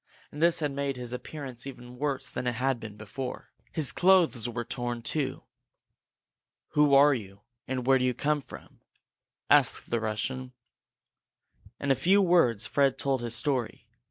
And this had made his appearance even worse than it had been before. His clothes were torn, too. "Who are you, and where do you come from?" asked the Russian. In a few words Fred told his story.